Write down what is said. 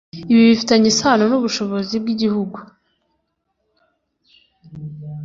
Ibi bifitanye isano n ubushobozi bw igihugu